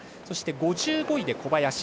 そして５５位で小林。